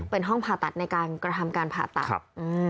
เป็นห้องผ่าตัดในการกระทำการผ่าตัด